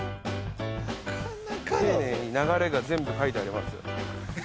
丁寧に流れが全部書いてありますよ。